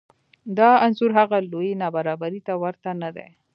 دا انځور هغه لویې نابرابرۍ ته ورته نه دی